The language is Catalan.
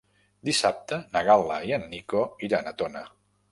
Dissabte na Gal·la i en Nico iran a Tona.